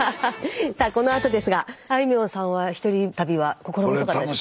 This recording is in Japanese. さあこのあとですがあいみょんさんは１人旅は心細かったですか？